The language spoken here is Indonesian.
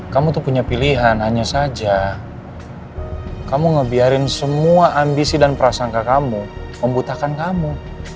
kamu tuh punya pilihan hanya saja kamu ngebiarin semua ambisi dan prasangka kamu membutakan kamu